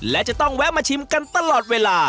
และจะต้องแวะมาชิมกันตลอดเวลา